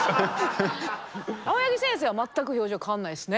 青柳先生は全く表情変わんないですね。